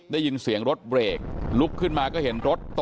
ก็แจ้งตำรวจมามาตรวจสอบนะครับ